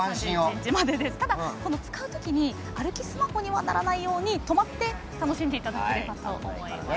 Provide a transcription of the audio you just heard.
使う時に歩きスマホにならないように止まって楽しんでいただければと思います。